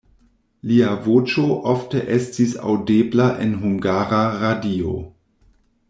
Lia voĉo ofte estis aŭdebla en Hungara Radio.